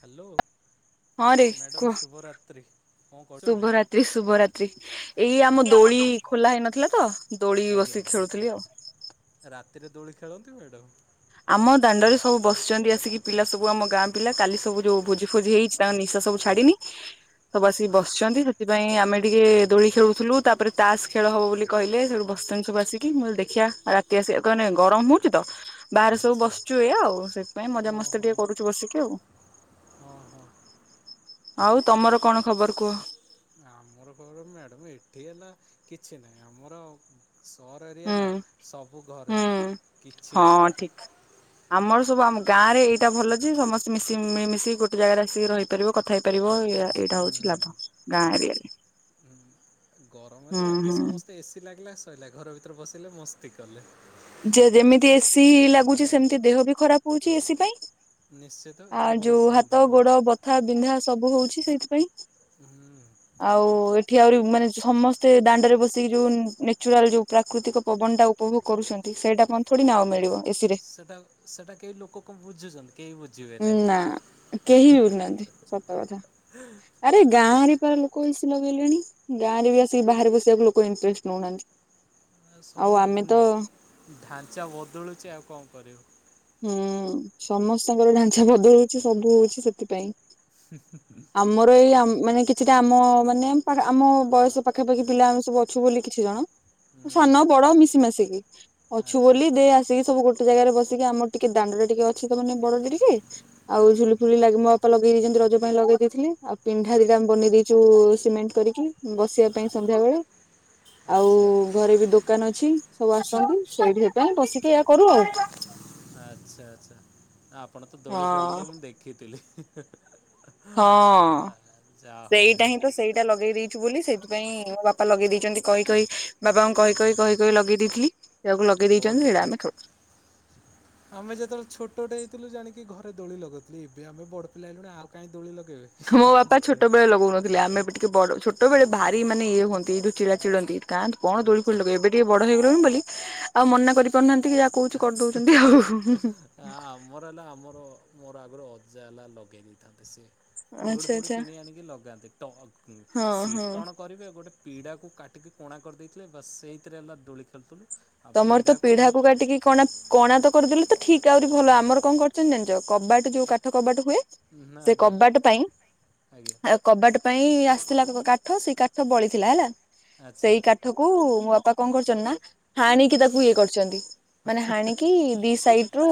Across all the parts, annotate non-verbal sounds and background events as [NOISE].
Hello. ହଁ ରେ କୁହ କଣ କରୁଛନ୍ତି? ଶୁଭରାତ୍ରି ଶୁଭରାତ୍ରି। ଏଇ ଆମ ଦୋଳି ଖୋଲା ହେଇନଥିଲା ତ ଦୋଳି ବସିକି ଖେଳୁଥିଲି ଆଉ। ତିରେ ଦୋଳି ଖେଳନ୍ତି ମ୍ୟାଡ଼ାମ୍? ଆମ ଦାଣ୍ଡରେ ସବୁ ବସିଛନ୍ତି ଆସିକି ପିଲା ସବୁ ଆମ ଗାଁ ପିଲା କାଲି ସବୁ ଯୋଉ ଭୋଜି ଫୋଜି ହେଇଚି ତାଙ୍କ ନିଶା ସବୁ ଛାଡିିନି ସବୁ ଆସିକି ବସଚନ୍ତି। ଥିପାଇଁ ଆମେ ଟିକେ ଦୋଳି ଖେଳୁଥୁଲୁ ତାପରେ ତାସ ଖେଳ ହବ ବୋଲି କହିଲେ ସେକୁ ବସିଥାନ୍ତି ସବୁ ଆସିକି ମୁଁ ଅଇଲି ଦେଖିଆ ରାତି ଆସି କଅନେ ଗରମ ହୋଉଚି ତ ବାହାରେ ସବୁ ଆଚ୍ଛା ବସିଚୁ ଆଚ୍ଛା ଏଇଆ ଆଉ ସେଥିପାଇଁ ମଜା ଓହୋ ମସ୍ତି ଟିକେ କରୁଚୁ ବସିକି ଆଉ। ହିଁ ତମର କଣ ଖବର କୁହ [UNINTELLIGIBLE] କଣ ମ୍ୟାଡ଼ମ୍ ଏଠିଲା କିଛି ନାହିଁ ଆମର ସହର ଏରିଆ ହୁଁ ନା ସବୁ ଘରେ ହୁଁ କିଛି ହଁ ନାହିଁ। ଠିକ ଆମର ସବୁ ଆମ ଗାଁରେ ଏଇଟା ଭଲଯେ ସମସ୍ତେ ମିଶି ମିଳିମିଶି ଗୋଟେ ଜାଗାରେ ଆସିକି ରହିପାରିବ କଥା ହେଇ ପାରିବ, ଇ ଏଇଟା ହୁଁ ହୋଉଚି ହୁଁ ଲାଭ ଗାଁ ଏରିଆ। ହୁଁ। ଗରମ ହୁଁ ହେଲା ଏଠି ହୁଁ। ସମସ୍ତେ ଏ ସି ଲାଗିଲା ସରିଲା ଘର ଭିତରେ ପତ୍ର ବସିଲେ ମସ୍ତି କଲେ। ଯେ ଯେମିତି ଏ ସି ଲାଗୁଚି ସେମିତି ଦେହ ବି ଖରାପ ହେଉଚି ଏ ସି ପାଇଁ। ନିଶ୍ଚିତ ଆ ଏଥିରେ [INAUDIBLE] କୌଣସି ଯୋଉ ହାତ ସନ୍ଦେହ ନାହିଁ ଗୋଡ ବଥା ବିନ୍ଧା ସବୁ ହୋଉଚି ସେଇଥିପାଇଁ। ହୁଁ। [INAUDIBLE] ଆଉ ଏ ଏଠି ଆହୁରି ମାନେ ସମସ୍ତେ ଦାଣ୍ଡରେ ବସିକି ଯେଉଁ ନ୍ୟାଚୁରାଲ୍ ଯେଉଁ ପ୍ରାକୃତିକ ପବନଟା ଉପଭୋଗ କରୁଛନ୍ତି। ସେଇଟା ପୁଣି ଥୋଡି ନାଁ ଆଉ ମିଳିବ। ଏସିି ରେ। ସେଟା ସେଟା କେହି ଲୋକ କଣ ବୁଝୁଛନ୍ତି କେହି ବୁଝୁ ନା କେହି ବି ଉଠୁନାହାନ୍ତି ସତ କଥା ଆରେ ଗାଁ ଗାଁରେ ପାରା ଲୋକ ଏ ସିି ଲଗେଇଲେଣି ଗାଁରେ ବି ଆସିକି ବାହାରେ ବସିବାକୁ ଲୋକ ଇଣ୍ଟରେଷ୍ଟ ନଉନାହାନ୍ତି। ଆଉ ଆମେ ତ [UNINTELLIGIBLE] ଢାଞ୍ଚା ବଦଳୁଚି ଆଉ କଣ କରିବୁ? ହୁଁ ସମସ୍ତଙ୍କର ଢାଞ୍ଚା ବଦଲୁ ସବୁ ହୋଉଚି ସେଥିପାଇଁ ଆମର ଏଇ ମାନେ କିଛିଟା ଆମ ମାନେ ଆମ ବୟସ ପାଖାପାଖି ପିଲା ଆମେ ସବୁ ଅଛୁ ବୋଲି କିଛି ଜଣ ହୁଁ ସାନ ହୁଁ ବଡ ମିଶି ମାସିକି ଅଛୁ ଆଚ୍ଛା ବୋଲି ଦେ ଆସିକି ସବୁ ଗୋଟେ ଗୋ ଜାଗାରେ ବସିକି ଆମର ଟିକେ ଦାଣ୍ଡ ଟିକ ଅଛି ତ ମାନେ ବଡ ଟିକେ ଆଉ ଆଚ୍ଛା ଝୁଲି ଫୁଲି ଲାଗେ ମୋ ବାପଲ ରିି ରଜେ ପା ପାଇଁ ଲାଗେ ଥିଲେ ଆଉ ପିଣ୍ଢା ଦିଟାମେ ଆଚ୍ଛା ବନେଇ ଦେଇଚୁ ସିମେଣ୍ଟ କରିକି ବସିବା ପାଇଁ ହଁ ହଁ ସନ୍ଧ୍ୟା ବେଳେ ଆଉ ଆଚ୍ଛା ଘରେ ବି ଦୋକାନ ଅଛି ସବୁ ଆସନ୍ତି। ସେଇଠି ସେତାଇ ବସିକି ୟ କରୁ ଆଉ। ଆଛା ଆଚ୍ଛା ଆ [INAUDIBLE] ଆପଣ ତ ଦୋଳି ହଁ ଖେଳିଲେ ମୁଁ ଦେଖିଥିଲି। କ୍ରିକଟ ହଁ ଯା ହଉ ସେଇଟା ହିଁ ତ ସେଇଟା ଲଗେଇ ଦେଇ ବୋଲି ସେଥିପାଇଁ ମୋ ବାପା ଲଗେଇ ଦେଇେଇଛନ୍ତି କହି କହି ବାପଙ୍କୁ କହି କହି କହି ଲଗେଇ ଦେଇଥିଲି। ସେଆକୁ ଲଗେଇ ବହୁତ ଦେଇଛନ୍ତି ସେଇଟା ବଢିଆ ଆମେ ଖାଉ। ଆମେ ଯେତେବେଳେ ଛୋଟଟେ ହେଇଥିଲୁ ଜାଣି କି ଘରେ ଦୋଳି ଲଗଥିଲ ଏବେ ଆମେ ବଡ ପିଲା ହେଲଣି ଆଉ କାଇଁ ଦୋଳି ଲଗ ମୋ ବାପା ଛୋଟବେଳେ ଲଗଉନଥିଲେ ଆମେ ଟିକେ ବଡ ଛୋ୍ ଛୋଟବେଳେ ଭାରି ମାନେ ଇଏ ହୁଅନ୍ତି ଦୁ ଚିଡ଼ା ଚିଡନ୍ତି। କା କଣ ଦୋଳି ଦୋଳି ଫୋଳି ଆଚ୍ଛା। ଲଗେଇବେ ଏବେ ଟିକେ ବ ହେଇଗଲୁଣି ବୋଲି ଆଉ ମନା କରିପାରୁନାହାନ୍ତି। ଟିକେ ଯାହା କହୁଛି କରିଦଉଛନ୍ତି ଆଉ ଆମର ହେଲା ଆମର ମୋର ଅଜା ହେଲା ଲଗେଇ ଦେଇଥାନ୍ତେ ସେ ଦୌଡି ଆଚ୍ଛା ଫୈଡି ଆଚ୍ଛା। କିଣି ଆଣିକି ଲଗାନ୍ତି ହଁ ସିଟ ହଁ। କଣ କରିବେ ଗୋଟେ ପିଡ଼ାକୁ କାଟିକି କଣା କରିଦେଇଥିଲେ ବା ସେଇଥିରେ ଆମେ ଦୋଳି ଖେଳୁଥିଲୁ ଆଉ ତମର ପିଡ଼ା ତ କଣ ମୁଁ ପିଢାକୁ କାଟିକି କଣା କଣା ତ କରିଦେଲେ ତ ଠିକ ଆହୁରି ଭଲ ଆମର କଣ କରୁଛନ୍ତି ଜାଣିଛ କବାଟ ଯୋଉ କାଠ କବାଟ ହୁଏ ନା ସେ ଆଜ୍ଞା କବାଟ ପାଇଁ ଆଜ୍ଞା ଆ କବାଟ ପାଇଁ ଆସିଥିଲା କାଠ ସେଇ କାଠ ବଳିଥିଲା ହେଲା ଆଚ୍ଛା ସେଇ କାଠ କ ମୋ ବାପା କଣ କରୁଛନ୍ତି ନା ହାଣିକି ତାକୁ ଇଏ କରିଛନ୍ତି। ମାନେ ହାଣିକି ଦି ସାଇଟି୍ ରୁ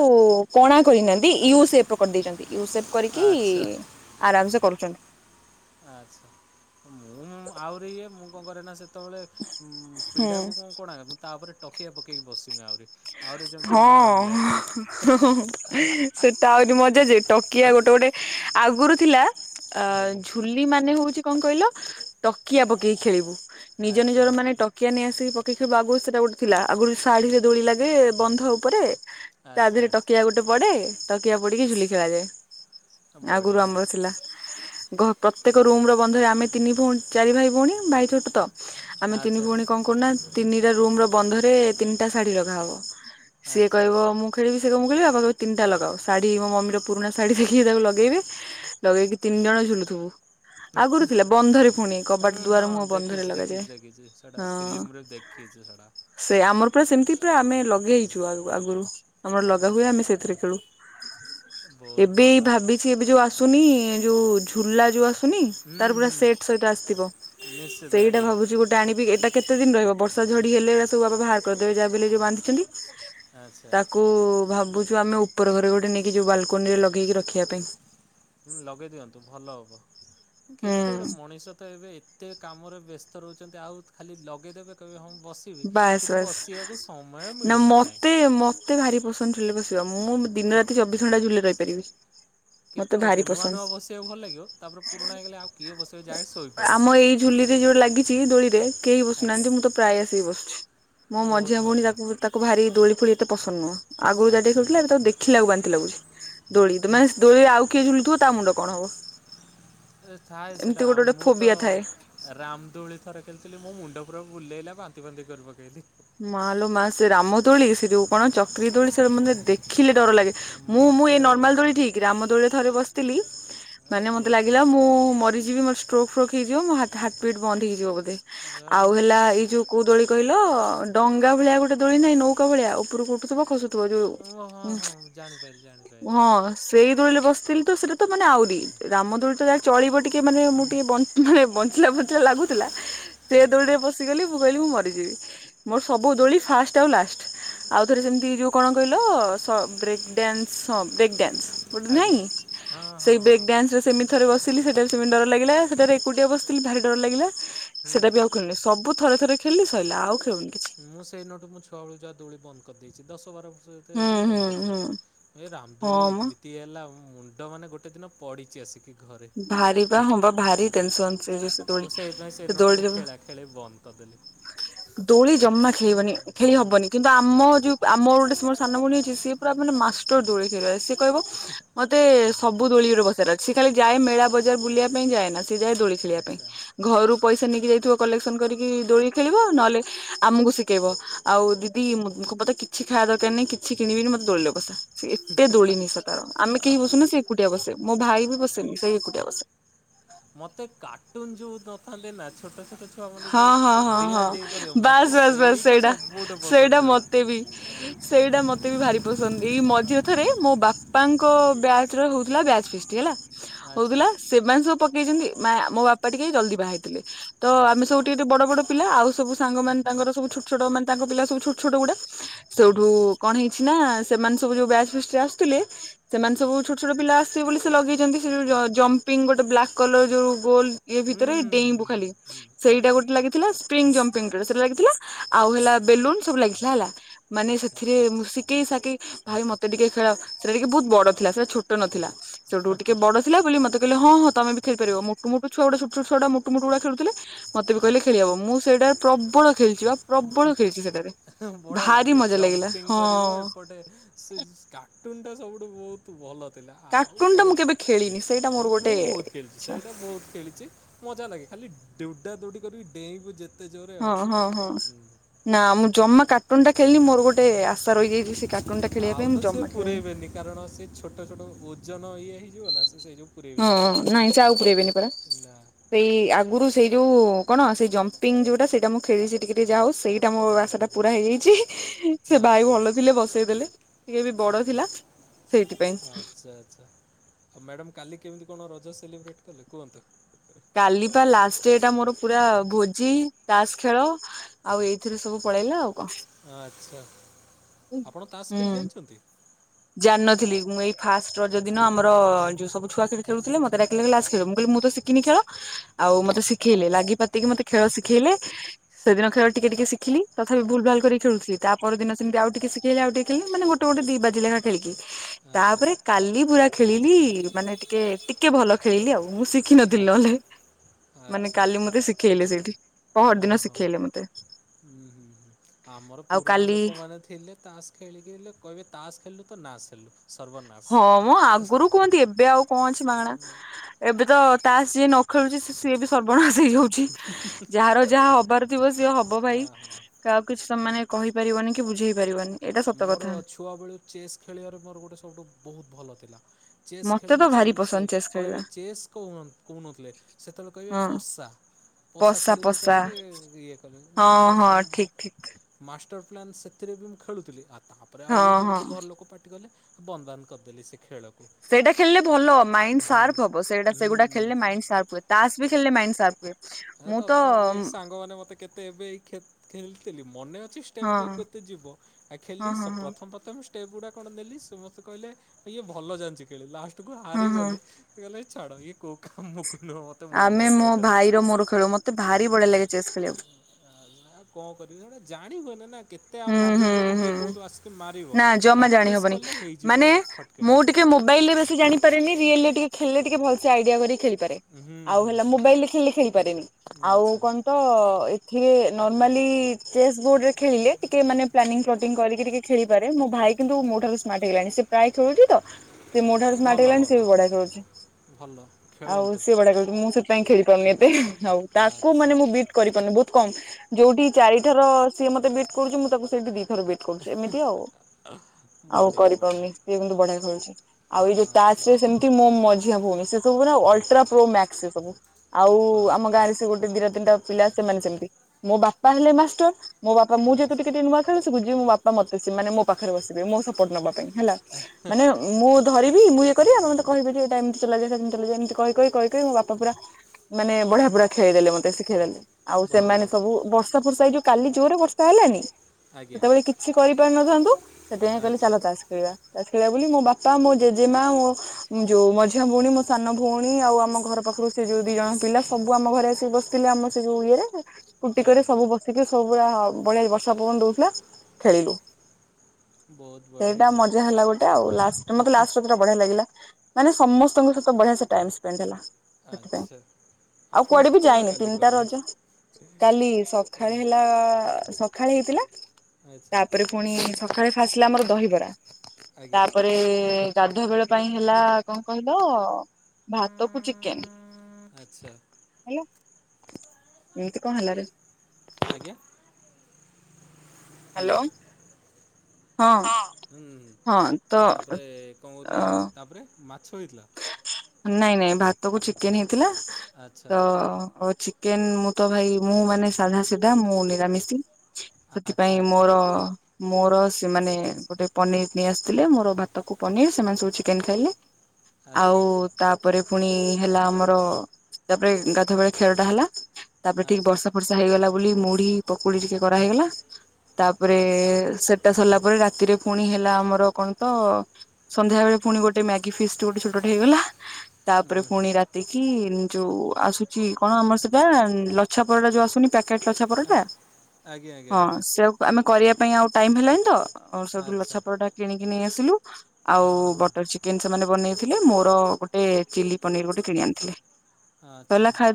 କଣା କରିନାହାନ୍ତି ୟୁ ସେପ୍ ର କରିଦେଇଛନ୍ତି। ୟୁ ସେପ୍ କରିକି ଆରାମ ସେ କରୁଛନ୍ତି। ଆଛା ମୁଁ ଆହୁରି ଇଏ ମୁଁ କଣ କରେ ନା ସେ ସେତେବେଳେ ପୀଢ଼ା ହୁଁ। କୁ କଣ କଣା ମୁଁ ତା ଉପରେ ତକିଆ ପକେଇକି ବସିବି ଆହୁରି। ଆହୁରି ଯେମିତି ନରମ ଲାଗିବ। ହଁ ସେଟା ଆହୁରି ମଜା ଯେ ତକିଆ ଗୋଟେ ଗୋଟେ ଆଗରୁ ଥିଲା। ଆ ଆଜ୍ଞା ଝୁଲି ମାନେ ହଉଛି କଣ କହିଲ ତକିଆ ପକେଇକି ଖେଳିବୁ। ନିଜ ଆଚ୍ଛା ଆଚ୍ଛା ନିଜର ମାନେ ତକିଆ ନେଇ ଆସିକି କିକି ବାଗୁ ସେଟା ଗୋଟ ଥିଲା ଆଗରୁ ଶାଢୀରେ ଦୋଳି ଲାଗି ଏ ବନ୍ଧ ଉପରେ ତା ଆଚ୍ଛା ଦେହରେ ଆଚ୍ଛା। ତକିଆ ଗୋଟେ ପଡେ ତକିଆ ପଡିକି ଝୁଲି ଖେଳାଯାଏ। ଆଗରୁ ବଢ଼ିଆ ଆମର ଥିଲା। ଘ୍ ପ୍ରତ୍ୟେକ ରୁମ ର ବନ୍ଧରେ ଆମେ ତିନି ଉଉଁଣୀ ଚାରି ଭାଇ ଭଉଣୀ ଭାଇ ଛୋଟ ତ, ଆମେ ତିନି ଆଚ୍ଛା ଭଉଣୀ କଣ ଆଚ୍ଛା କରୁନା ତିନିଟା ରୁମର ବନ୍ଧରେ ତିନିଟା ଶାଢ଼ୀ ଲଗାହବ। [INAUDIBLE] ସିଏ ଆଚ୍ଛା କହିବ ଆଚ୍ଛା ମୁଁ ଖେଳିବି ସେ କହିବ। [INAUDIBLE] ବାପା କହିବେ ତିନିଟା ଲଗାଅ, ଶାଢୀ ମୋ ମମିର ପୁରୁଣା ଶାଢୀ ଦେଖିକି ତାକୁ ଲଗେଇବେ, ଲଗେଇକି ତିନି ଜଣ ଝୁଲୁଥିବୁ। ଆଗରୁ ଥିଲା ବନ୍ଧରେ ପୁଣି କବାଟ ହୁଁ ଦୁଆର ହଁ ମୁହଁ ବନ୍ଧରେ ଦେଖିଛି ଲଗାଯାଏ, ଦେଖିଛି ଦେଖିଛି ସେଟା ହଁଅଅ ଫିଲ୍ମରେ ଦେଖିଛି ସେଟା ସେ ଆମର ପୁରା ସେମିତି ତ ଆମେ। ଲଗେଇଛୁ ଆଗ ଆଗରୁ। ଆମର ଲଗା ହୁଏ ଆଚ୍ଛା ଆମେ ସେଇଥିରେ ଖେଳୁ। ବହୁତ ଏବେ ଏଇ ଭଲ ଭାବିଛି ଏବେ ଯୋଉ ଆସୁନି [INAUDIBLE] ଯୋଉ ଝୁଲା ଯୋଉ ଆସୁ ସୁନି ହୁଁ ତାର ପୁରା ହୁଁ ସେଟ୍ ସହିତ ଆସିଥିବ, ନିଶ୍ଚିତ ସେଇଟା ଆଜ୍ଞା ଭାବୁଛି ଗୋଟେ ଆଣିବି ଏଇଟା କେତେ ଦିନ ରହିବ ବର୍ଷା ଝଡି ହେଲେ ଏଡା ସବୁ ବାବା ବାହାର। [UNINTELLIGIBLE] ଛନ୍ତି। ଆଚ୍ଛା ତାକୁଉଉ ଭାବୁ ଭାବୁଛୁ ଆମେ ଉପର ଘରେ ଗୋଟେ ନେଇକି ଯୋଉ ବାଲକୋନିରେ ଲଗେଇକି ରଖିବା ପାଇଁ। ହୁଁ ଲଗେଇ ଦିଅନ୍ତୁ ଭଲ ହେବ। କେତେବେଳେ ହୁଁ ମଣିଷ ତ ଏବେ ଏତେ କାମରେ ବ୍ୟସ୍ତ ରହୁଛନ୍ତି ଆଉ ଖାଲି ଲଗେଇଦେବେ କହିବେ ହଁଉ। ବାସ୍ ବାସ୍, ନା ମିଳିବ ନାହିଁ। ମତେ ମତେ ଭାରି ପସ୍ ଝୁଲାରେ ବସିବା ମୁଁ ଦିନ ରାତି ଚବିଶ ଘଣ୍ଟା ଝୁଲିରେ ରହିପାରିବି। ମତେ କେତେ ଭାରି ବସିବ ନୂଆ ପସନ୍ଦ। ନୂଆ ବସିବାକୁ ଭଲ ଲାଗିବ ତାପରେ ପୁରୁଣା ହେଇଗଲେ ଆଉ କିଏ ବସିବ। ଯାଏ ଶୋଇପଡ଼େ। ଆମ ଏଇ ଝୁଲିରେ ଯୋଉ ଲାଗିଛି। ଦୋଳିରେ। କେହି ଆଜ୍ଞା ବସୁନାହାନ୍ତି ମୁଁ ତ ପ୍ରାୟ ଆସିକି ବସୁଛି, ମୋ ବହୁତ ମଝିଆ ଭଉଣୀ ଭଲ ତାକୁ ତାକୁ ଭାରି ଦୋଳିଫୋଳି ଏତେ ପସନ୍ଦ ନୁହଁ ଆଗରୁ ଯା ଟିକେ ଆଚ୍ଛା। ଖେଳୁଥିଲା ଏବେ ତାକୁ ଦେଖିଲାକୁ ବାନ୍ତି ଲାଗୁଛି, ଦୋଳି ମାନେ ଦୋଳିରେ ଆଉ। କିଏ ଝୁଲୁଥିବ ତା ମୁଣ୍ଡ କଣ ହବ। ଏ ଥାଏ ଏମିତି ସେଟା, ଗୋଟେ ଗୋଟେ ମୁଁ ତ ଫୋବିଆ ଥାଏ। ରାମଦୋଳି ଥରେ ଖେଳିଥିଲି ମୋ ମୁଣ୍ଡ ପୁରା। ବୁଲେଇଲା ବାନ୍ତିଫାନ୍ତି କରିପକେଇଲି। ମାଲୋ ମା ସେ ରାମଦୋଳି ସେ ଯୋଉ କଣ ଚକ୍ରି ଦୋଳି ସେ ମତେ ଦେଖିଲେ ଡର ଲାଗେ। ମୁଁ ମୁଁ ମୋତେ ଏଇ ନର୍ମାଲ ଦୋଳି ଠିକ୍ କଣ- ରାମ ଦୋଳିରେ ଥରେ ବସ୍ ଥିଲି। ଏ ମାନେ ମତେ ଲାଗିଲା କୁହନ୍ତୁନି ମୁଁ କୁହନ୍ତୁନି ମରିଯିବି ମୋର ଷ୍ଟ୍ରୋକଫ୍ରୋକ୍। ହେଇଯିବ ମୋ ହାତ୍ ହାର୍ଟ ବିଟ୍ ବନ୍ଦ ହେଇଯିବ ବୋଧେ। ଏ [INAUDIBLE] ଆଉ ମୁଁ- ହେଲା ଏଇ ଯୋଉ କୋଉ ଦୋଳି କହିଲ। ଓ ଡଙ୍ଗା ଭଳିଆ ଗୋଟେ ଦୋଳି ନାଇଁ ନୌକା ଭଳିଆ ଉପରୁ କୁଟୁଥିବ ଖସୁ ଯୋଉ ଓ ହଁ ହଁ ମୁଁ ଜାଣିପାରିଲି ଜାଣିପାରିଲି ହଁ ସେଇଦୋଳିରେ ବସ୍ ସିଲ୍ ତ ସେଟା ତ ମାନେ ଆହୁରି ରାମଦୋଳି ଯା ଚଳିବ ଟିକେ ଟିକେ ମାନେ ମୁଁ ଟିକେ ମାନେ ବଞ୍ଚିଲା ବଞ୍ଚିଲା ଲାଗୁଥିଲା ସେ ଆଚ୍ଛା ଦୋଳିରେ ବଶିଗଲି ମୁଁ କହିଲି ମୁଁ ମରି ଯି ମୋର ସବୁ ଦୋଳି ଫାଷ୍ଟ ଆଉ ଲାଷ୍ଟ ଆଉଥରେ ସେମିତି ଯେଉଁ କଣ କହିଲ ସ ବ୍ରେକ୍ ଡ୍ୟାନ୍ସ ହଁ ବ୍ରେକ୍ ଡ୍ୟାନ୍ସ ଗୋଟେ ନାଇଁ ଆଜ୍ଞା ହଁ ହଁ ସେଇ ହଁ ବ୍ରେକ୍ ଡନ୍ସରେ ସେମିତି ଥରେ ବସିଲି ସେଟା ସେମ ଡର ଲାଗିଲା ସେଠାରେ ଏକୁଟିଆ ବସିଥିଲି ଭାର ଡର ଲାଗିଲା। ସେଟା ବି ଆଉ ହୁଁ କହନି ସବୁ ମୁଁ ଥରେଥରେ ଖେଳି ସଇଲା ଆଉ ଖେଳୁନି। କିଛି। ମୁଁ ସେଇ ନଠୁ ମୁଁ ଛୁଆବେଳ ଯାହା ଦୋଳି ବନ୍ଦ କରିଦେଇଛି ଦଶ ତ ବର ତ ହୁଁ ହେଇ ହୁଁ ବନ୍ଦ କରିଦେଲେ ହୁଁ [INAUDIBLE] ଏ ମ ଦୋଳିମିତି ହେଲା। ମୁଣ୍ଡ ମାନେ ଗୋଟେ ଦିନ ପଡିଚି ଆସିକି। ଘରେ ଭାରି ବା ହଁ ବା ଭାରି ଟେନସନ ସେ ସେ [INAUDIBLE] ଦୋଳି ମୁ ସେଇପାଇଁ ସେ ନଟୁ ମୁଁ ଖେଳା ଖେଳି ବନ୍ଦ କରିଦେଲି ଦୋଳି ଜମା ଖେଳିବନି ଖେଳି ଜମା ହବନି କିନ୍ତୁ ଆମ ଯୋଉ ଆମ ଗୋଟେ ସମ ସାନ ଭଉଣୀ ଅଛି ସିଏ ପୁର ମାନେ ମାଷ୍ଟର ଦୌଳିଥିଲେ ସ କହିବ ମତେ ସବୁ ଦୋଳିରେ ବସା ସେ ଖାଲି ଯାଏ ମେଳା ବଜାର ବୁଲିବା ପାଇଁ ଯାଏ ନା ସେ ଯାଏ ଦୋଳି ଖେଳିବା ପାଇଁ ଆଚ୍ଛା ଘରୁ ପଇସା ନେଇକି ଯାଇଥିବ। କଲେକ୍ସନ କରିକି ଦୋଳି ଖେଳିବ ନହେଲେ ଆମକୁ ଶିଖେଇବ ଆଉ ଦିଦି ମତେ କିଛି ଖାଇବା ଦରକାର ନାଇଁ କିଛି କିଣିବିନି ମତେ ଦୋଳିରେ ବସା ସେ ଏତେ ଦୋଳିନ ନିିସା ତାର ଆମେ କେହି ବସୁନ ସେ ଏକୁଟିଆ ବସେ ମୋ ଭାଇ ବି ଅହୋ। ବସେନି ସେଇ ଏକୁଟିଆ ବସେ ମତେ କାର୍ଟୁନ ଯୋଉ ନଥାନ୍ତେ ନା ଛୋଟ ଛୋଟ ଛୁଆମାନେ ହଁ ଯୋଉ ହଁ ହଁ ଡିଆଁ ଡେଇଁ କରିବେ ହଁ ମତେ ବାସ୍ ବାସ୍ ବାସ୍ ସେଇଟା ସବୁଠୁ ସେଇଟା ପସନ୍ଦ ହେଲା। ମତେ ବି ସେଇଟା ମତେ ମତେ ବି ଭାରି ପସନ୍ଦ ଏଇ ମଝିରେ ଥରେ ମୋ ବାପାଙ୍କ ବ୍ୟାଜରେ ହଉଥିଲା ବ୍ୟାଜ ଫେଷ୍ ହେଲା। ଆଚ୍ଛା ହଉଥିଲା ସେମାନେ ସବୁ ଦେଇଛନ୍ତି ମା ମୋ ବାପା ଟିକେ ଜଲ୍ଦି ବାହାରଇଥିଲେ। ତ ଆମେ ଆଚ୍ଛା ଯୋଉ ଟିକେ ଟିକେ ବଡ ବଡ ପିଲା ଆଉ ସବୁ ସାଙ୍ଗମାନେ ତାଙ୍କର ସବୁଛୋଟ ଛୋଟ ମାନେ ତାଙ୍କ ପିଲ ସବୁଛୋଟ ଛଟ ଗୁଡା ଆଜ୍ଞା ସେଉଠୁ କଣ ହେଇଛି ନା ସେମାନେ ସବୁ ଯୋଉ ବ୍ୟାଚ୍ ଫିଷ୍ଟ ରେ ଆସୁଥିଲେ ସେମାନେ ଆଜ୍ଞା ସବୁ ଛୋଟ ଛୋଟ ପିଲା ଆ ସେ ବୋଲି ସେ ଲଗେଇଛନ୍ତି ସେ ଯୋଉ ଜମ୍ପିଙ୍ଗ ଗୋଟେ ବ୍ଲାକ୍ କଲର ଯୋଉ ଗୋଲ ଇଏ ହୁଁ ଭିତରେ ହୁଁ ଡେଇଁବୁ ହୁଁ ଖାଲି। ହୁଁ ସେଇଟା ଗୋଟେ ଆଜ୍ଞା ଲାଗିଥିଲା ସ୍ପ୍ରିଙ୍ଗ ଜମ୍ପିଂ ସେଟ ଲାଗିଥିଲା। ଆଉ ହେଲା ଆଜ୍ଞା ବେଲୁନ ସବୁ ଲାଗିଥିଲା ହେଲା ମାନେ ଆଚ୍ଛା ସେଥିରେ ମୁ ଶିକେଇ ଭାଇ ମତେ ଟିକେ ଖେଳ ସେଟ ଟିକେ ବହୁତ ବଡ ଥିଲା ସେଇଟା ଛୋଟ ନଥିଲା। ସେଠୁ ଟିକେ ବଡ ଥିଲା ବୋଲି ମତେ କିଲଲେ ହଁ ହଁ ତମେ ବି ଖେଳିପାରିବ ମୋଟୋ ଛୁଆୁା ୋଟ ଛଆଟା ମୋଟୁା ଖେୁଥିଲେ ମତେ ବି କହିଲେ ଖେଳି ଆଚ୍ଛା ହବ ମୁଁ ସେଇଟାରେ ପ୍ରବଳ ଖେଳିଛି ବା ପ୍ରବଳ ଖେଳିଛି ସେଟାରେ ବଢ଼ିଆ ଭାରି ଲାଗେ ମଜା ଲାଗିଲା ଜମ୍ପିଙ୍ଗ ହଁ। ଟୁନ ଟା ସବୁଠୁ ବହୁତ ଭଲ ଆଉ କାର୍ଟୁନ ଟା କାଇଁ ମୁଁ କେବେ ଖେଳିନି ସେଇଟା ମୋର ଗୋଟେ ମୁଁ ବହୁତ ଖେଳିଛି ଆଛା ସେଇଟା ବହୁତ ଖେଳିଛି ମଜା ଲାଗେ ଖାଲି ଦୌଡ଼ି କରିବି ଡେଇଁକୁ ଯେତେ ଜୋରେ ହଁ ଆଉ ହଁ ହଁ ହୁଁ ନା ମୁଁ ଜମା କା ଟା ଖେିଲି ମୋର ଗୋଟେ ଆଶା ରହିଯାଇଛି ସେ କାର୍ଟୁନ ଟା ଖେଳିବା ଆଉ ପାଇଁ ମୁଁ ତ ସେ ଜମା ଖେଳିନି। ପୁରେଇବେନି କାରଣ ସେ ଛୋଟ ଛୋଟ ଓଜନ ଇଏ ହେଇଯିବ ନା। ସେ ସେଇ ଯୋଉ ହଁ ପୁରେଇବେନି ଜମା। ନାଇଁ ଆଉ ପୁରାଇବେନି ପରାା ନା ସେଇ ଆଗରୁ ସେଇ ଯଉ କଣ ସେଇ ଜମ୍ପିଙ୍ଗ ଯଉଟା ସେଇଟା ମୁଁ ଖେଳି ସେ ଟିକ ଟିକେ ଯାହା ହଉ। ସେଇଟା ମୋ ଉଁ ଆଶା ଟା ହୁଁ ପୁରା ହେଇଯାଇଛି ସେ ଭାଇ ଆଚ୍ଛା ଭଲ ଥିଲେ ବସେଇ ଦେଲେ ଟିକେ ବି ବଡ ଥିଲା ସେଇଥିପାଇଁ। ଆଚ୍ଛା ଆଚ୍ଛା। ଆଉ ମ୍ୟାଡ଼ାମ୍ କାଲି କେମିତି କଣ ରଜ ସେଲିବ୍ରେଟ୍ କଲେ କୁହନ୍ତୁ? କାଲି ପା ଲାଷ୍ଟ ଡେ ଟା ମୋର ପୁରା ଭୋଜି ତାସ ଖେଳ ଆଉ ଏଇଥିରେ ସବୁ ପଳେଇଲା ଆଉ। କଣ ଆଚ୍ଛା ଆପଣ ତାସ ଖେଲି ଜାଣିଛନ୍ତି? ଜାିନଥିଲି ମୁଁ ଏଇ ଫାଷ୍ଟ ରଜ ଦିନ ଆମର ଯୋଉ ସବୁ ଛୁଆ ସେଠି ଖଳୁଥିଲେ ମତେ ଡାକିଲେ ଆସେ ଖେଲିବୁ ମୁଁ କହିଲି ମୁଁ ତ ଶିଖିନି ଖେଳ। ଆଉ ହୁଁ ମତେ ହୁଁ ଶିଖେଇଲେ ଲାଗି ପତିକି ମତେ ଖେଳ ଶିଖେଇଲେ ସେଦିନ ଖେ ଟିକେ ଟିକେ ଶିଖିଲି ତଥାପି ଭୁଲ ଭୁଲ କରି ଖେଳୁଥିଲ ତା ପରଦିନ ସେମି ଆଉ ଟିକେ ଶିଖେଇଲେ ଆଉ ଟେ ଖେ ମାନେ ଗୋଟେ ଗୋଟେ ଦି ବାଜିଲେଖା ଖେଳିକି। ଆଚ୍ଛା ତାପରେ କାଲି ପୁରା ଖେଳିଲି ମାନେ ଟିକେ ଟିକେ ଭଲ ଖେଳିଲି ଆଉ। ମୁଁ ଶିଖିନଥିଲି ନହେଲେ ଆଛା ମାନେ ଆଚ୍ଛା କାଲି ଆଛା ମତେ ଶିଖେଇଲେ ସେଇଠି ପହର ଦିନ ଓହୋ ହଁ ଶିଖେଇଲେ ମତେ ହୁଁ ହୁଁ ଆମର ଆଉ ପୁରୁଣା କାଲି ଲୋକମାନେ ଥିଲେ ତାସ ଖେଳିକି କହିବେ ତାସ ଖେଳିଲୁ। ତ ନାଶ୍ ହେଲୁ। ହଁ ମୁଁ ସର୍ବନାଶ। ଆଗରୁ କୁହନ୍ତି ଏବେ ଆଉ କଣ ଅଛି ମାଗଣା ଏବେ ତ ତାସ ଯିଏ ନ ଖେଳୁଛି ସିଏ ବି ସର୍ବନାଶ। ସେଇ ହଉଛି ଯାହାର ଯାହା ହବାର ଥିବ ସିଏ ହବ ହଁ ଭାଇ ହଁ। କାହାକୁ କିଛି ସମାନେ କହିପାରିବନି କି ବୁଝେଇ ପାରିବନି। ଏଇଟା ସତ ମୋର କଥା ଛୁଆ ବେଳୁ ଚେସ୍ ଖେଳିବାରେ ମୋର ଗୋଟେ ସବୁଠୁ ବହୁତ ଭଲ ଥିଲା। ଚେସ୍ ମତେ ଖେଳିଲି ତ ଭାରି ସେମିତି ସେ ପସନ୍ଦ ଚେସ୍ କହିବେ ଖେଳିବା ଚେସ୍ କହୁନଥିଲେ ସେତେବେଳେ କହିବେ ହଁ। ପଷା। ପଷା ପଶା ଖେଳିଲୁ ପଶା କାହିଁକି ଇଏ କଲେ ହଁ ପସ୍ ହଁ ଠିକ ଠିକ ମା ମାଷ୍ଟର ପ୍ଲାନ୍ ସେଥିରେ ବି ମୁଁ ଖେଳୁଥିଲି। ତାପରେ ଆଉ ଏଇ ହଁ ହଁ ଯେମିତି ଘର ଲୋକ ପାଟିକଲେ ବନ୍ଦାନ କରିଦେଲି ସେ ଖେଳକୁ। ସେଇଟା ଖେଳିଲେ ଭଲ ମାଇଣ୍ଡ ହୁଁ ସାର୍ପ ହବ। ସେଇଟା ସେଗୁଡା ଖେଳିଲ ହୁଁ। ମାଇଣ୍ଡ ସାର୍ପ ହୁଏ, ତାସ ବି ଖେଳିଲେ ମାଇଣ୍ଡ ସାର୍ପ ମୁଁ ତ କିନ୍ତୁ ଏବେ ଏଇ ଖେତ୍ ଖେଳିଥିଲି ମନେ ଷ୍ଟେପ ହଁ କିଏ କେତେ ଯିବ ଆ ହଁ ଖେଳିଲି ହଁ ହଁ ପ୍ରଥମ ପ୍ରଥମେ ଏଗୁଡା କଣ ଦେଲି ସେ ମତେ କହିଲେ ଇଏ ଭଲ ଜାଣିଛି ଖେଳି ଲାଷ୍ଟ ଲାଷ୍ଟ କୁ ହଁ ହଁ ହାରିଗଲି। ସେ କହିଲେ ଛାଡ଼ ଇଏ କୋଉ କାମ କୁ ଆମେ ମୋ ଭାଇର ମୋର ଖେଳୁ। ମତ ମତେ ଭାରି ବଢିଆ ଲାଗେ ଚେସ୍ ଖେଳିବାକୁ। କଣ କରିବି ଏଗୁଡା ଜାଣିହୁଏନି ନା। କେତେ ଆଉ ହୁଁ ହୁଁ ନଜର ଦେବୁ ହୁଁ କିଏ କୋଉଠୁ ଆସିକି ମାରିବ ନା ଜମା ଜାଣି ପ୍ରାକ୍ଟିସ୍ ହବନି କଲେ ମାନେ ହେଇଯିବ ମୁଁ ଫଟକିନି। ଟିକେ ମୋବାଇଲ ରେ ବେଶୀ ଜାଣିପାରେନି ରିଏଲ ରେ ଟିକେ ଖେଳିଲେ ଟିକେ ଭଲସେ ଆଇଡିଆ କରି ଖେଳି ପାରେ ହୁଁ ଆଉ ହୁଁ ହେଲା ହୁଁ ମୋବାଇଲରେ ଖେଳିଲେ ଖେଳିପାରେନି ଆଉ ଆଚ୍ଛା କଣ ତ ଏଥିରେ ନର୍ମାଲି ଚେସ୍ ବୋର୍ଡ ରେ ଖେଳିଲେ ଟିକେ ମାନେ ପ୍ଲାନିଂ ପ୍ଲୋପ୍ଟିଂ କରିକି ଟିକେ ଖେଳିପାରେ, ମୋ ଭାଇ କିନ୍ତୁ ମୋ ଠାରୁ ସ୍ମାର୍ଟ ହେଇଗଲାଣି, ସେ ପ୍ରାୟ ଖେଳୁଛି ତ ସେ ମୋ ଠାରୁ ସ୍ମାର୍ଟ ଭଲ ହେଗଲାଣି, ଭଲ ସିଏ ବି ବଢିଆ ଖେଳୁଛି, ଭଲ ଆଉ ଖେଳନ୍ତୁ। ସିଏ ବଢିଆ ଖେଳୁଛି, ମୁଁ ସେଥିପାଇଁ ଖେଳି। [UNINTELLIGIBLE] ହଉ ତାକୁ ଆଚ୍ଛା ମାନେ ମୁଁ ବିଟ୍ କରିପାରୁନି ବହୁ କମ ଯୋଉଠି ଚାରି ଥର ସିଏ ମତେ ବିଟ୍ କରୁଛି ମୁଁ ତାକୁ ସେଠିି ଦି ଥର ବିଟ କରୁଚି ଏମିତି ଆଉ ଆଉ ବଢ଼ିଆ ବଢ଼ିଆ କରିପାରୁନି ସିଏ କିନ୍ତୁ ବଢିଆ ଖେଳୁଛି, ଆଉ ଏଇ ଯୋଉ ଆଚ୍ଛା। ତାସ ରେ ବି ସେମତି ମୋ ମଝି ଭଉଣୀ, ସେ ସବୁ ପୁରା, ଅଲଟ୍ରା ପ୍ରୋ ମ୍ୟାକ୍ସ ସେ ସବୁ। ଆଉ ଆମ ବାବା ଗାଁରେ ସେ ଗୋଟେ, ଦିଟା, ତିନଟା ପିଲା ସେମାନେ ସେମତି, ମୋ ବାପା ହେଲେ ମାଷ୍ଟର, ମୋ ବାପା ଆ ମୁଁ ଯେହେତୁ ଆଚ୍ଛା ଟିକେ ଟିକେ ନୂଆ ଖେଳେ ସେ ମୋ ବା ବା ମତେ ସେମାନେ, ମୋ ପାଖରେ ବସି ମୋ ସପୋର୍ଟ ନବା ପାଇଁ ହେଲା, ମାନେ ମୁଁ ଧରି ମୁଁ ଇଏ କରିଆ ମତେ କହିବି ଏଇଟା ଏମତି ଚଲା ଯାଏ ସେମିତି ଚଲା ଯାଏ ଏମିତି କହି, କହି ମୋ ବାପା ପୁରା ମାନେ ବଢିଆ ଖେଳେଇ ଦେଲେ, ମତେ ଶିଖେଇ ଦେଲେ। ଆଉ ସେମାନେ ଭଲ ସବୁ ବର୍ଷା, ଫର୍ଷା ଏ ଯୋଉ କାଲି ଜୋରେ ବର [UNINTELLIGIBLE] ଆଜ୍ଞା ସେତେବେଳେ କିଛି କରିପାରିନଥାନ୍ତୁ, ସେଥିପାଇଁ କହିଲେ ଆଚ୍ଛା ଚାଲ ତାସ ଖେଳିବା। ତାସ ଖେଳିବା ବୋଲି ମୋ ବାପା, ମୋ ଜେଜେମା, ମୋ ଯୋଉ ମଝିଆ ଭଉଣୀ, ମୋ ସାନ ଭଉଣୀ ଆଉ ଆମ ଘର ପାଖରୁ ସେ ଯୋଉ ଦି ଜଣ ପିଲା ସବୁ ଆମ ଘରେ ଆସିକି ବସିଥିଲେ, ଆମ ସେ ଯୋଉ ଇଏରେ ପୁଟିକରେ ଆଜ୍ଞା ସବୁ ବସିକି, ସବୁବେଳେ, ଆ ଆଉ ବଳିଆ ବର୍ଷା ପବନ ଦଉଥିଲା, ଖେଳିଲୁ। ବହୁତ ସେଇଟା ବଢ଼ିଆ ମଜା ହେଲା, ଗୋଟେ ଆଉ ଲାଷ୍ଟ, ମତେ ଲାଷ୍ଟ ରଜଟା ବଢିଆ ଲାଗିଲା। ମାନେ ସମସ୍ତଙ୍କ ସହିତ ବଢିଆ ସେ ଟାଇମ ସ୍ପେଣ୍ଡ ହେଲା। ସେଥିପାଇଁ, ଆଚ୍ଛା ଆଉ କୁଆଡେ ଫିଷ୍ଟ ବି କଣ ଯାଇନି କାଲି ତିନିଟା କଲେ ରଜ, କାଲି ସକାଳେ ଏ, ହେଲା ସଖାଳେ ହେଇଥିଲା, ଆଚ୍ଛା ତାପରେ ପୁଣି ସକାଳେ ଫାସିଲା ଆମର ଦହିବରା। ଆଜ୍ଞା ତାପରେ ଗାଧୋଇବାବେଳ ପାଇଁ ହେଲା କଣ କହିଲ ଭାତ କୁ ଚିକେନ। ଆଚ୍ଛା। [INAUDIBLE] [INAUDIBLE] ଏମିତି କଣ ହେଲା ରେ ଆଜ୍ଞା। ହଲୋ ହ୍ୟାଲୋ ହଁ ହ ହଁ ତ ତାପରେ କଣ ଅ କରହୁଥିଲି ତାପରେ ହେଇଥିଲା [INAUDIBLE] ନାଇଁ ନାଇଁ। ଭାତ କୁ ଚିକେନ୍ ହେ ଥିଲା ଆଚ୍ଛା ତ ହଉଚି କେ ମୁଁ ତ ଭାଇ ମୁଁ ମାନେ ସାଧା ସିଧା ମୁଁ ନିରାମିଷି। ଆଚ୍ଛା ସେଥିପାଇଁ ଆଚ୍ଛା ମୋର ମୋର ସେମାନେ ଗୋଟେ ପନିର ନେଇ ଆସିଥିଲେ ମୋର ଭାତକୁ ପନିର ସେମାନେ ସବୁ ଚିକେନ ଖାଇଲେ। ଆଉ ଆଚ୍ଛା ତାପରେ ପୁଣି ହେଲା ଆମର ତାପରେ ଗାଧୋଇ ବଳେ ଖେଳ ଟା ହେଲା। ତାପରେ ଠିକ ଆଚ୍ଛା ବର୍ଷା ଫର୍ଷା ହେଇଗଲା ବୋଲି ମୁଁ ଟି ପକୁଡି ଟିକେ କରା ହେଇଗଲା ଆଚ୍ଛା ତାପରେ ଆଚ୍ଛା ସେଟା ସରିଲା ପରେ ରା ତିରେ ପୁଣି ହେଲା ଆମର କଣ ତ ସନ୍ଧ୍ୟା ବେଳେ ପୁଣି ଗୋଟେ ମ୍ୟାଗି ଫିଷ୍ ସେ ଗୋଟେ ଛୋଟଟେ ହେଇଗଲା। ତାପରେ ଉଁ ହୁଁ ପୁଣି ରାତିକି ଉଁ ଯୋଉ ଆସୁଛି କଣ ଆମର ସେଟା ଉଁ ଲଛାପରଟା ଯୋଉ ଆସୁନି ପ୍ୟାକେଟ ଲଛାପରଟା ଆଜ୍ଞା ଆଜ୍ଞା ହଁ ଆଜ୍ଞା ସେୟାକୁ ଆମେ କରିବା ପାଇଁ ଆଉ ଟାଇମ୍ ହେଲାନି ତ ଆଉ ସେଠୁ ଆଚ୍ଛା ଲଛାପରଟା କିଣିକି ନେଇ ଆସିଲୁ। ଆଉ ହଁ ବଟର୍ ହଁ ଚିକେନ୍ ସେମାନେ ବନେଇ ଥିଲେ ମୋର ଗୋଟେ ଚିଲି ପନିର୍ ଗୋଟେ କିଣି ଆଣିଥିଲେ। ସଇଲା ଆଚ୍ଛା। ଖାଇ